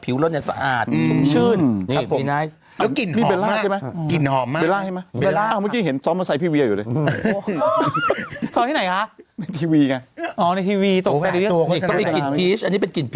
เพราะฉันรู้ว่าอีดี้ก็ไปต้องหันมาเอามาหิดกับกูแน่นอน